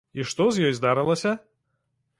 І што з ёй здарылася?